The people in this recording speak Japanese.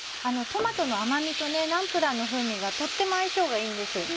トマトの甘味とナンプラーの風味がとっても相性がいいんです。